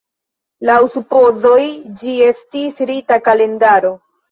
Laŭ supozoj, ĝi estis rita kalendaro.